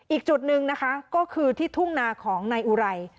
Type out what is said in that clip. อีกจุดหนึ่งนะคะก็คือที่ทุ่งนาของนายอุไร